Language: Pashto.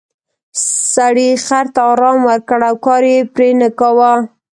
سړي خر ته ارام ورکړ او کار یې پرې نه کاوه.